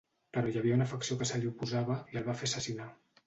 Però hi havia una facció que se li oposava i el va fer assassinar.